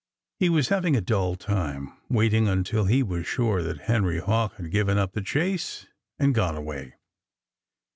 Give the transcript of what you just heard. He was having a dull time, waiting until he was sure that Henry Hawk had given up the chase and gone away.